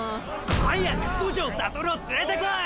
早く五条悟を連れてこい！